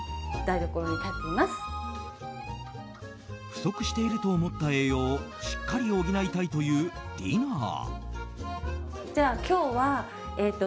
不足していると思った栄養をしっかり補いたいというディナー。